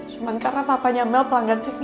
cuman karena papanya mel pelanggan discrete vip di sini